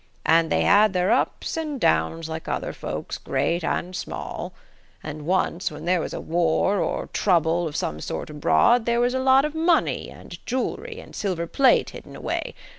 "An' they had their ups and downs like other folks, great and small. And once, when there was a war or trouble of some sort abroad, there was a lot of money, and jewelery, and silver plate hidden away.